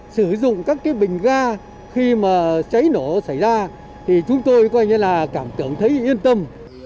sử dụng các bình ga khi mà cháy nổ xảy ra thì chúng tôi coi như là cảm tưởng thấy yên tâm